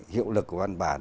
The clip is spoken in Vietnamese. hiệu lực của văn bản